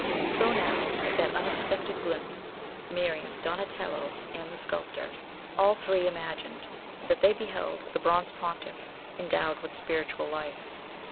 So now, at that unexpected glimpse, Miriam, Donatello, and the sculptor, all three imagined that they beheld the bronze pontiff endowed with spiritual life.